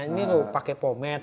ini tuh pakai pomed